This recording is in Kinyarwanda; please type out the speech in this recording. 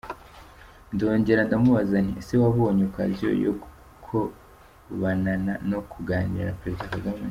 Ndongera ndamubaza nti ese wabonye occasion yo gukobonana no kuganira na Président Kagame ?